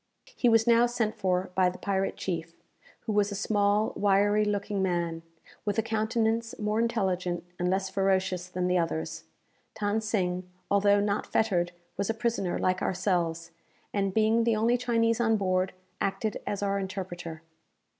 He was now sent for by the pirate chief, who was a small wiry looking man, with a countenance more intelligent and less ferocious than the others. Than Sing, although not fettered, was a prisoner like ourselves, and, being the only Chinese on board, acted as our interpreter.